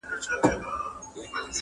غوړولی یې په ملک کي امنیت وو!!